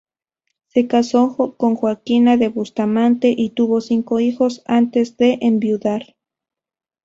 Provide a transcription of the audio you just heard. Se casó con Joaquina de Bustamante y tuvo cinco hijos antes de enviudar.